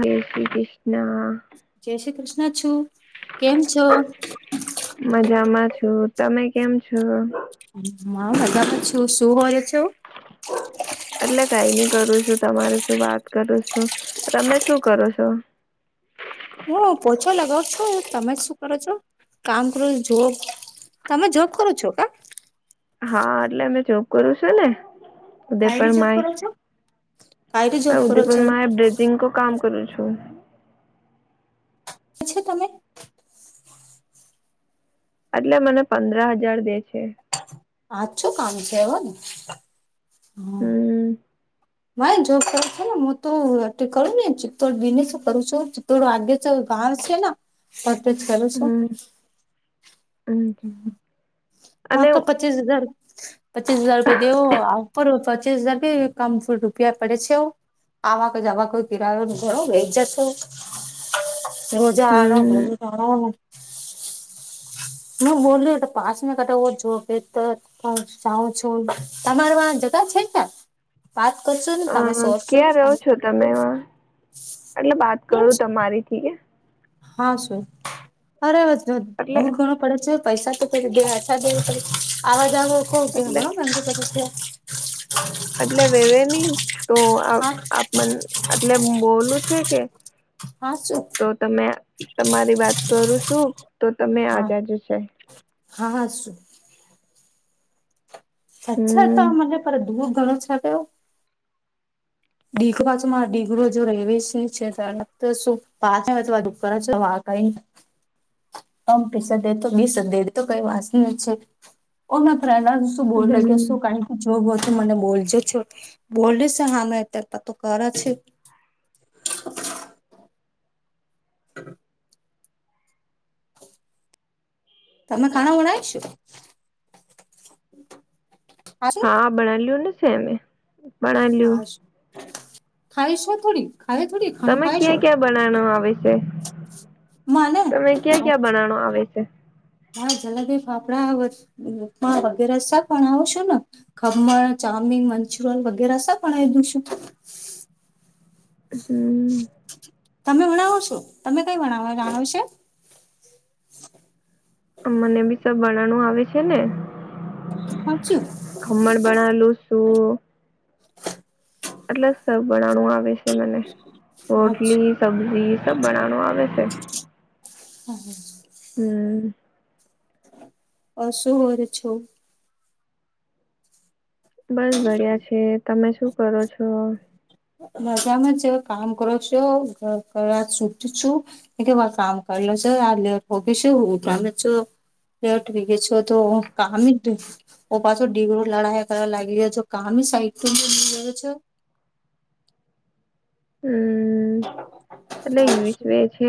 જય શ્રી કૃષ્ણ જય શ્રી કૃષ્ણ છું. કેમ છો? મજામાં છું. તમે કેમ છો? [unintelligible] એટલે કઈ નઈ કરું છું તમારે શું વાત કરું છું તમે શું કરો છો? હું પોછો લગાવ છો તમે શું કરો છો કામ કરો છો જો તમે જોબ કરો છો કે? હા એટલે અમે જોબ કરું છે ને. ઉદયપ કાયરી જોબ માય કરો છો? કાયરી હ જોબ કરો ઉદયપ છો? માય બજિંગ કો કામ કરું છું. છે, તમે એટલે મને પંદર હજાર દે છે. આજ છો કામ છે હમ મા જોબ કર છો ને હું તો એ [unintelligible] બહાર સેના [inaudible] હમ હમ [inaudible] અને પચીસ હજાર પચીસ હજાર રૂપિયા દવો આવ ઉપ પચીસ હજાર [inaudible] આવા કે જવા કોઈ [inaudible] રોજા હમ [inaudible] [inaudible] હ જાઉ છો તમારમાં જગા છે [unintelligible] વાત કરશો ને અ તમે સોરશો ક્યાં રહો છો તમે? એટલે વાત હમ કરું તમારી થીક યે. એટલે [inaudible] એટલે [unintelligible] એટલે [unintelligible] તો હા આપ મન એટલે બોલું છે કે. હા શું તો તમે તમારી વાત કરું શું તો તમે [inaudible] હા હા શું? અચ્છા હમ [unintelligible] [unintelligible] [unintelligible] બોલ કે શું હમ ક જો બો તો મને બોલજો છો બોલ છે [inaudible] તો કર છે. [unintelligible] તમે ખાના બનાવીશું. ખાશું હા [inaudible] ને છેમે હા ખાય શ થોડી ખાય થોડી. ખાણું તમે ક્યાં ખાઈશું ક્યાં બનાવનું આવે છે મને તમે ક્યાં ક્યાં બનાવનું આવે છે? હા જલેબી ફાફડા વગેરે [inaudible] છો ને. ખમણ, ચામીન મંચુરલ વગેરે [inaudible] દું છું. હમ તમે ભણાવો છો તમે કઈ ભણાવો રાણોશે [unintelligible] મને બી સ બનાણું આવે છે ને હાચું ખમણ બનાલું સું એટલે સર બનાવવાનું આવે છે મને હાચું રોટલી સબ્જી સબ બનાવાનું આવે છે હમ હમ અ શું હોર છું બસ બડિયા છે તમે શું કરો છો મજામાંજ કામ કરો છો કરવા સુધ છું એ કે વાર કામ કરલો છ આ લેટ ભગ શું હું તમે છ લઠવી ગે છો તો કામ જ ઓ પાછો ડીગરો લડા કરવા લાગી રહ્યો છે કામી સાઈ્યો છો હમ એટલે યુસ છે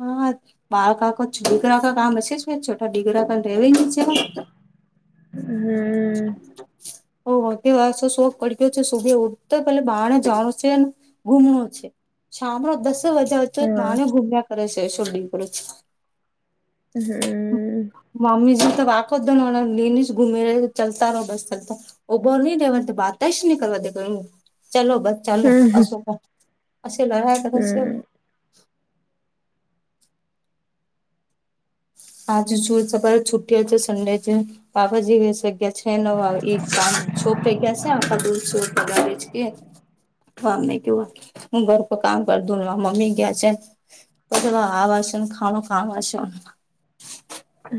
હા બાળકાકો દીકરાકા કામ હશે છોટા દીકરા કને રેવા છે હમ ઓ હો તો શોખ પડ ગ્યો છે સુબે ઉઠ તો પલે બહારણે જાણું છે ગુમણ છે શામનો દસે વાજ્યા વચ હા માણ ગુમ્યા કરે છે શોંગ હમ મમ્મીજી તો વાકો દ લેની જ ઘુમે ચાલતા રહો બસ ચાલતા ઉભો નહી રેવાર તો વાત જ નની કરવા દેખ ચલો બસ ચાલો હમ અો ક અ લડા કર હમ આજ શું તમારે છુ્ટી છે સંન્ડે છે બાપાજી વસગ્યા છે ન કામ છપગયા છે આખા દૂર છર કે મને કેવું હું ઘર પર કામ કર દઉ ને મમ્મી ગયા છે આવાસન ખાાવ ખવાસન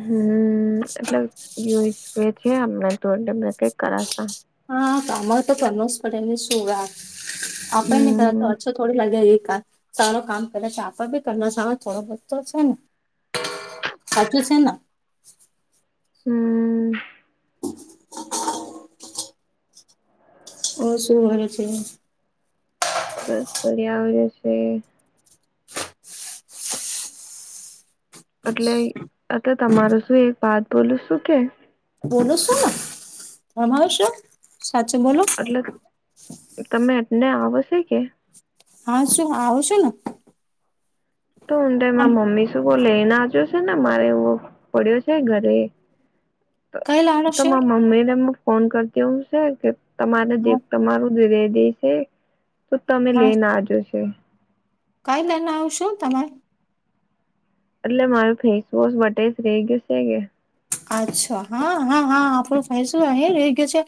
હમ એટલે જોઈશ છે એને કઈક કરાશ હા કામ તો કરમોસ પડે ને શું આપણે ન કર તો હમ અચ્છ થોડી લાગે એ ક સારો કામ કરે છેાપડ બી કરના સારો થોડો બધતો છે ને સાચું છે ને હમ ઓ શું વા છે બસ બિયા આવ જશે એટલે અ તમાર શું એક વાત બોલું શું કે બોલો શું તમાવ શું સાચચો બોલો એટલે તમે એટને આવશે કે હા શું આવું છું ને તો ઊ તમે મમ્મી શું બહ લઈનેજ્યો છે ને મારે એવું પડ્યો છે ઘરે કઈ લાડો તો છો મમ્મીને ફોન કરતી હું છે કે તમારે હા તમારું જ રઈ દેશે તો તમે હા લઈને આજો છે કઈ લઈને આવશો તમે એટલે મારું ફેસ વોશ બટે જ રઈ ગયું છે કે અચ્છા હા હા હા આપડું ફસું અ રહી ગય છે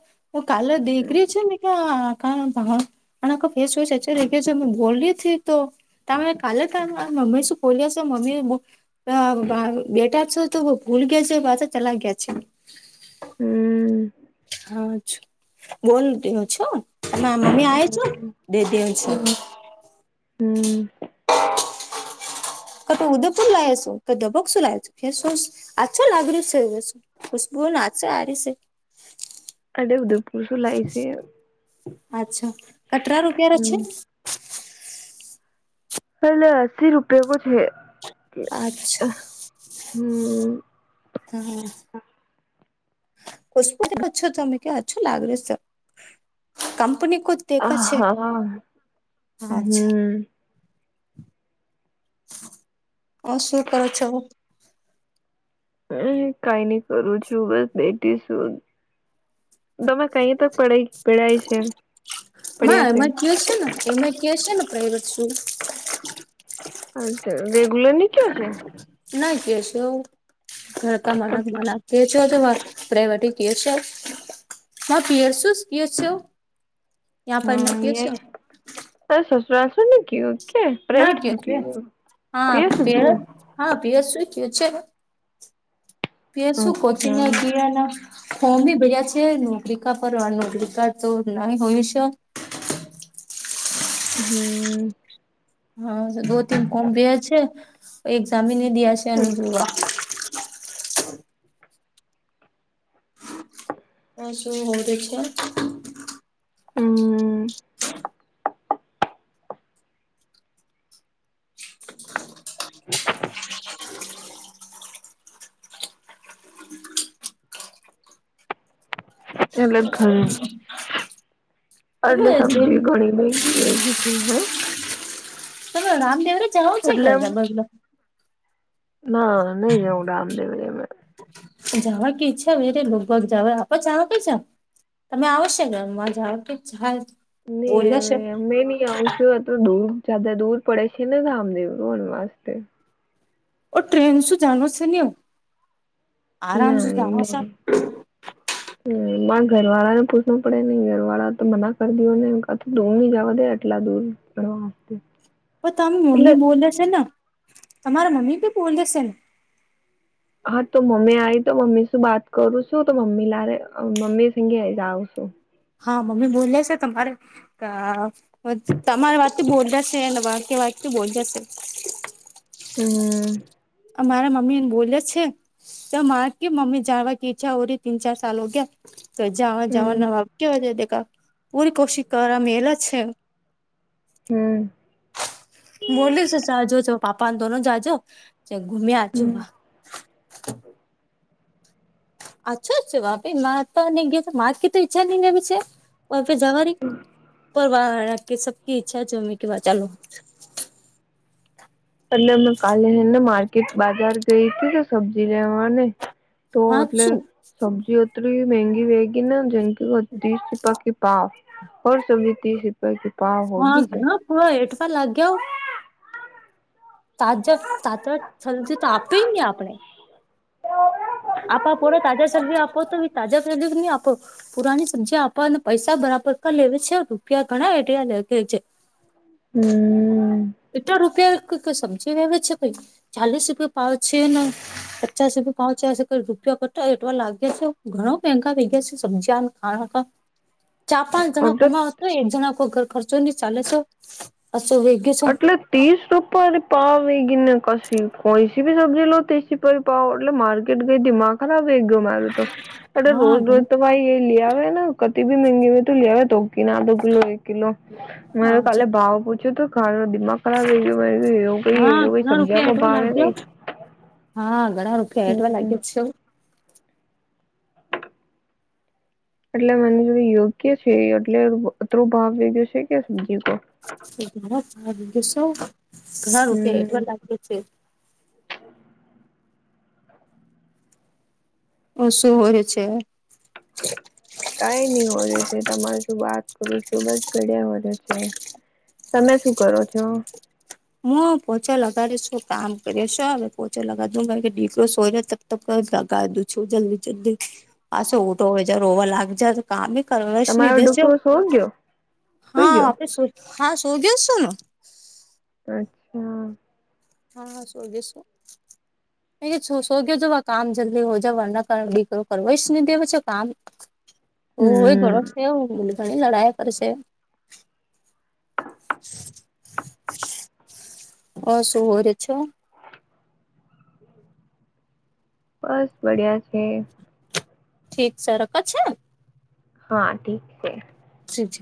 કાલર દેખરી છે ને ક્યા આ આસય છેચ કે મે બોલી હતીથી તો ત કાલ ત મમ્મી સુ પોોલીસ મમ્મી હ બેટાર છેો તો ભૂલ ગયા છે બાચા ચલા ગયા છે હમ હા છ બોન ત છો ત મમ્મી આવ છો બે દેવ છો હમ હમ ક ત ઉદપુ લસો ક દબોકસુ લસો ફેસ વોશ આચ્છા લાગર્યું છેસું ખુશબુ ના છે આ ર છે અડે ઉદયપુર શું લાય છે અચ્છા કટરા રૂપાર અ છે હમ પલે અસ્સી રૂપિયા કો છે અચ્છા હમ હા કશછો તમે અછું લાગ્યો કંપની હ દેખા છે હા અચ્છા હમ અ શું કર છો હમ કઈ નઈ કરું છું બસ બેઠીશું તમે કઈ તક પડ પડાય છે પડ્યા ના છે એમાં ને એમઈ કે છે ને પ્રાાઈવેટ સ્કૂલ અચ રેગુલર નચ હ છે ના કેશ ઘરકા મનાખ મનાખ પ પ્રવટ કે છ હ પર છસ કે છ હમ ઈ ત શશુરા આસુન ક હ ના કે છે હા પીએ શું પે ગયું હા પીસ શું ક છેને પીસું કોછી અચ્છા ના ક ફમ ભી ભયા છે નોકરીિકા પર નોકરીિકા તો નહી હોય છે હમ હા દો તન ફમ ભ છે એઝામી ને દયા છે હમ એનું જોવા હ શું હોવ દસ હ એટલે ઘરે તમે એટલે જે સમબજી ઘણી બઈ છે હા ત રામદેવરે જવું છે કે એટલે એમ બગલો ના નહી જઉ ગ આમ દે વ મે જવા કે ઈચ્છા વેરે લોગભગ જાવ આપ જાાવ કે જા તમે આવશે ઘરમાં જાઓ તો ચાલ ન મેં નહી આવું તો દૂર જદ દૂર પડે છે ને રાામદેવ રણ વાસ્તે ઓ ટ્રેન શું જાણ છે ને હ આરામ સુ જાણ છ હ હ મારે ઘર વાળા ને પૂછવું પડે નઈ ઘર વાળા તો મના કરી દો ને કા દૂર ની જવા દે આટલા દૂર હ હસ્ તો તમે મમ્મી બોલશે ને તમારા મમ્મી બી બોલેશે ને હા તો મમ્મી આવી તો મમ્મી શું વાત કરું છું તો મમ્મી લારે મમ્મી સંગે જઉં છું હા મમ્મી બોલે છે તમારે તમારી વાતથી બોલ જશે વાકી્ય વાતથી બોલ જશે હમ મારા મમ્મી ને બોલે છે ત મા કે મમ્મી જાણવા કે ઈચ્છા હો રહી તીન ચાર સલ હો ગયા તો જવા જવા કેવા દેખા પૂરી કોશિશ કરવા મે એલા છે હમ બોલ્યું જજો પાપાને દોનો જાજો ઘુમે્યા હમ આજો અચ્છાચ્ વાપે મા તો ગયા મા કે તો ઈચ્છા નહીને છે વાપે જવાની પરવા રા કે સબ ઈ્છા જોમે વા ચાલું એટલે મે કાલેને માર્કેટ બાજાર ગઈ હતી તો સબ્જી લેવાને તો હા એટલે શું સબ્જી ઓ થડી મગી વેગી ને જેંકી ત્રીસ રૂપકી પાાવ હોર સુોી ત્રીસ રૂપિયા ક પાાવ હોગી છે હ એઠ પણ લાગ ગ હો તાજ તાજ થલજ તો આપે ને આપણે આપપો તાજા શરદી આપો તોી તાજા શરદી નહી આપો પુરાની સબ્જી આપવાને પૈસા બરાબર ક લેવી છે રૂપિયા ઘણા એડિયા લેખે છે હમ એટલા રૂપિયા સમજી આવે છે ભ ચાલીસ રૂપિયા પાાવ છે ને પચાસ રૂપિયા પાાવ છેશે ક રૂપિયા કટો એટવા લાગે છે ઘણાો મંગા વગ્યા છે સબ્જ ખાણ હ ચાર પાંચ જણા કમાવ છ એક જણા કોઈ ઘર ખર્ચો નહી ચાલેસો અશો ભ એટલે ત્રીસ રૂપર પાવ ગીને કશી કોઈ સી ભી સબ્જી લો તી એટલે માર્કેટ ગઈ દીમા ખરાબ એક ગમા્યો તો એટલે હા રોજ રોજ ઘણા ભાઈ એ લયાવે કતિી મંંગી હો તો લ્યાવે તો કના દો કિલો એક કિલો મે કાલે ભાવ પૂછ્યો તો ઘર નો દિમાગ હા ખ એ ઘણા સમજ્યા રૂપિયા કો એટવા ભ ગઈ લાગ્યા હા ઘણા રૂખિયા હઠવા હમ લાગ્યા જ છે એટલે મને જોડું યોગ્ય છે એટલે અતરો ભાવ વેગયો છે કે સબ્જી પર સો ઘણા રૂપિયા હમ એટલા લાગે છે ઓ શુ હોયય છે કઈ નઈ હોય છે તમાર શું વાત કરું સુબ જ પડ્યા હો છે તમે શું કરો છો હું પોચા લગાડીશું કામ કરીશ હવે પોચા લગાડ કે દીકરો સો તો ક લગાવ દું છું જલ્દી જલ્દી પાછો ઉટો હોય જ રોવા લાગ જાય કામ એ કરવા તમારો નિહીધે છે ડુકરો સો ગયો સુઈ હા ગયો આપે શું હા શોધ છો અચ્છા હા હા શોજ શું હ ું શો ગયો જો કામ જલ્દી હો જાવના કારીું કર જ નહી દેવા છે કામ ઓ એ ઘણો હમ છે એ બોને ઘણી લડાઈ કરશે હ શું હોરે છો બસ બડિયા છે ઠીક સર રખ છે હા ઠીક છે જી છે